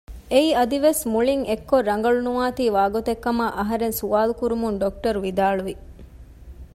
އެއީ އަދިވެސް މުޅިން އެއްކޮށް ރަނގަޅުނުވާތީ ވާގޮތެއް ކަމަށް އަހަރެން ސުވާލުކުރުމުން ޑޮކްޓަރ ވިދާޅުވި